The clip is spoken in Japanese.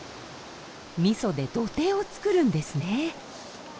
みそで土手を作るんですね。